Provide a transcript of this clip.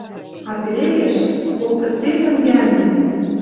А перегӓш... Ох, кыце тӹнгӓлнем!